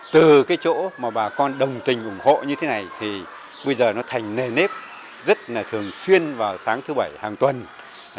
từ cái chỗ mà bà con đồng tình ủng hộ như thế này thì bây giờ nó thành nề nếp rất là thường xuyên vào sáng thứ bảy hàng tuần